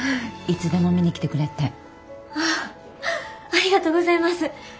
ありがとうございます。